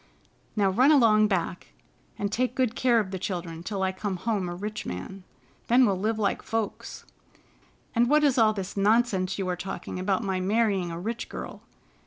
Now, run along back, and take good care of the children till I come home a rich man. Then we'll live like folks. And what is all this nonsense you are talking about my marrying a rich girl?